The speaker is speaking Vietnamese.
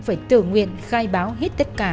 phải tự nguyện khai báo hết tất cả